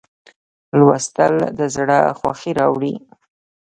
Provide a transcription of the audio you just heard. لوستل د زړه خوښي راوړي.